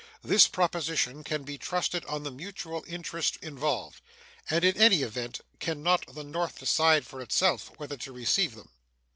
This proposition can be trusted on the mutual interests involved. And in any event, can not the North decide for itself whether to receive them?